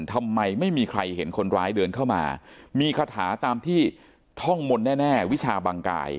ทำไมไม่มีใครเห็นคนร้ายเดินเข้ามามีคาถาตามที่ท่องมนต์แน่วิชาบังกาย